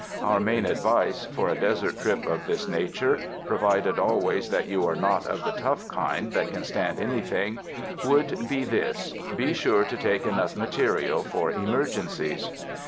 Our main ad vice, for a desert trip of this nature, provided al ways that you are not of the tough kind that can stand anything, would be this: Be sure to take enough material for emergencies.